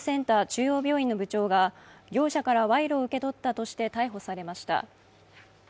中央病院の部長が業者から賄賂を受け取ったとして逮捕されました。